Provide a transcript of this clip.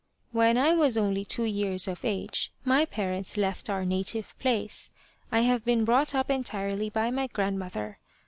" When I was only two years of age my parents left our native place. I have been brought up entirely by my grandmother.